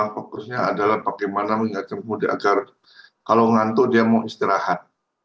fokusnya adalah bagaimana mengingatkan pemudik agar kalau ngantuk dia mau istirahat